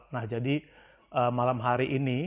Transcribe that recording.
nah jadi malam hari ini